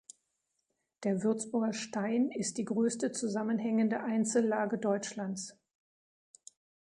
Der Würzburger Stein ist die größte zusammenhängende Einzellage Deutschlands.